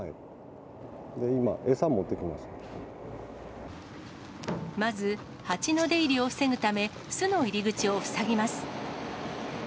今、まず、蜂の出入りを防ぐため、巣の入り口を塞ぎます。